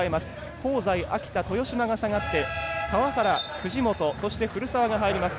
香西、秋田、豊島が下がって川原、藤本、古澤が入ります。